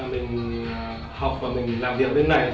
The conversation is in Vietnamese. mình học và mình làm việc ở bên này